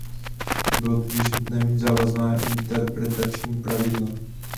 Bylo tudíž nutné mít závazná interpretační pravidla.